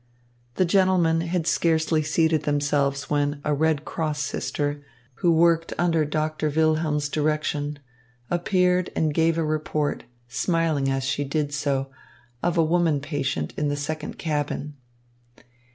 The gentlemen had scarcely seated themselves when a Red Cross sister, who worked under Doctor Wilhelm's direction, appeared and gave a report, smiling as she did so, of a woman patient in the second cabin.